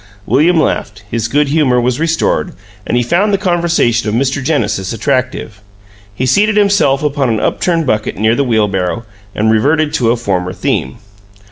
William laughed; his good humor was restored and he found the conversation of Mr. Genesis attractive. He seated himself upon an upturned bucket near the wheelbarrow, and reverted to a former theme.